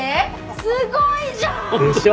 すごいじゃん！でしょ？